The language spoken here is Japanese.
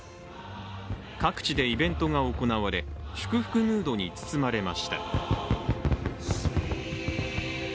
各地でイベントが行われ祝福ムードに包まれました。